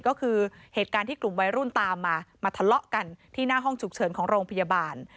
ก็คือเหตุการณ์ที่กลุ่มวัยรุ่นตามมามาทะเลาะกันที่หน้าห้องฉุกเฉินของโรงพยาบาล